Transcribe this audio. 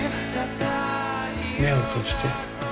目を閉じて。